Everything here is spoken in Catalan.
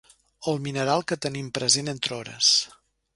El mineral que tenim present entre hores.